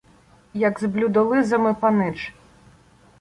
Як з блюдолизами панич.